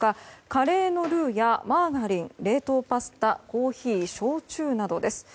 カレーのルーやマーガリン冷凍パスタコーヒー、焼酎などです。